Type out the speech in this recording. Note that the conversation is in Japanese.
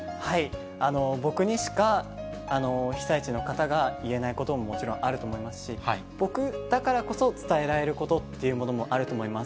僕にしか被災地の方が言えないことももちろんあると思いますし、僕だからこそ伝えられることっていうものもあると思います。